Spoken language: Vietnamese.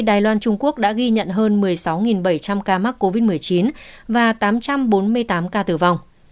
đài loan trung quốc đã ghi nhận hơn một mươi sáu bảy trăm linh ca mắc covid một mươi chín và tám trăm bốn mươi tám ca tử vong